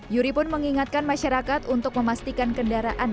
yuri pun mengingatkan masyarakat untuk memastikan kendaraan